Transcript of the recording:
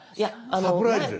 サプライズです。